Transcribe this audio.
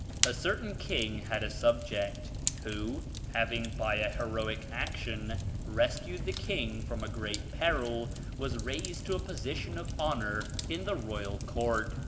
" "A certain king had a subject who having \ by a heroic action rescued die king from a great peril, was raised to a position of honor in the royal court.